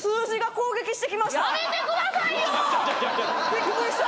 びっくりした。